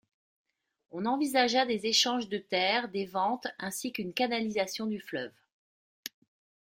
On envisagea des échanges de terres, des ventes, ainsi qu'une canalisation du fleuve.